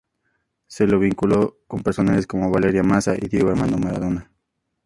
Se lo vinculó con personalidades como Valeria Mazza y Diego Armando Maradona.